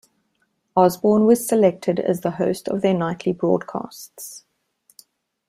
Osborne was selected as the host of their nightly broadcasts.